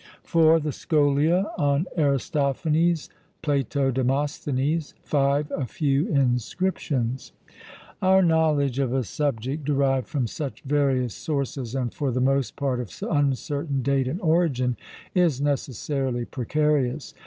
(4) The Scholia on Aristophanes, Plato, Demosthenes. (5) A few inscriptions. Our knowledge of a subject derived from such various sources and for the most part of uncertain date and origin, is necessarily precarious.